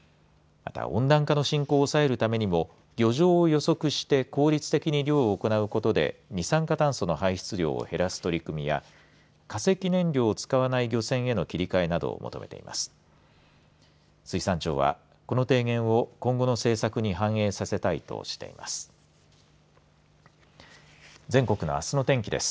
また温暖化の進行を抑えるためにも漁場を予測して効率的に漁を行うことで二酸化炭素の排出量を減らす取り組みや化石燃料を使わない漁船への切り替えなどを求めています。